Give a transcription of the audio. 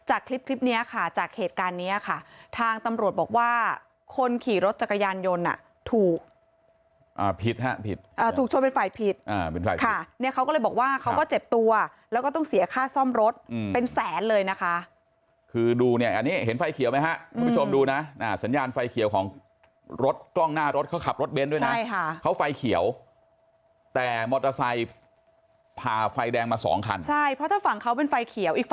อ่าผิดฮะผิดอ่าถูกชนเป็นไฟผิดอ่าเป็นไฟผิดค่ะเนี่ยเขาก็เลยบอกว่าเขาก็เจ็บตัวแล้วก็ต้องเสียค่าซ่อมรถอืมเป็นแสนเลยนะคะคือดูเนี่ยอันนี้เห็นไฟเขียวไหมฮะคุณผู้ชมดูนะอ่าสัญญาณไฟเขียวของรถกล้องหน้ารถเขาขับรถเบนด์ด้วยนะใช่ค่ะเขาไฟเขียวแต่มอเตอร์ไซค์พาไฟแดงมาสองคันใช